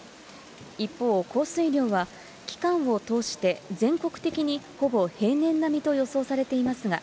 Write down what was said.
一方、降水量は期間を通して全国的にほぼ平年並みと予想されていますが、